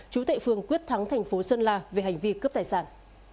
chú tệ phương quyết thắng thành phố sơn la về hành vi cướp tài sản